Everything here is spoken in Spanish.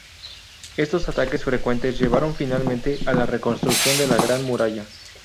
Estos ataques frecuentes llevaron finalmente a la reconstrucción de la Gran Muralla.